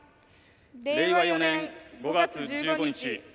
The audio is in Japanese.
令和４年５月１５日。